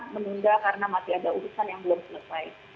menunda karena masih ada urusan yang belum selesai